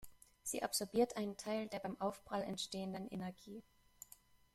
Sie absorbiert einen Teil der beim Aufprall entstehenden Energie.